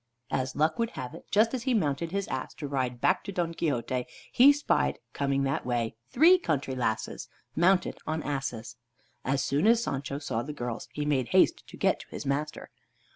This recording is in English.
As luck would have it, just as he mounted his ass to ride back to Don Quixote, he spied coming that way three country lasses mounted on asses. As soon as Sancho saw the girls, he made haste to get to his master.